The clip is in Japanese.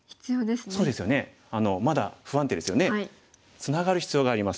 ツナがる必要があります。